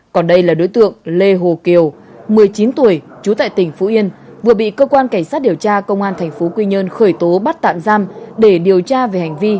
còn đây là đối tượng lê hồ kiều một mươi chín tuổi trú tại tỉnh phú yên vừa bị cơ quan cảnh sát điều tra công an tp quy nhơn khởi tố bắt tạm giam để điều tra về hành vi